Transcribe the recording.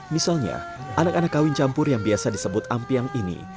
misalnya anak anak kawin campur yang biasa disebut ampiang ini